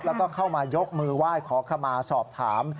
แล้วก็เข้ามายกมือไหว้ขอขมาสอบถาม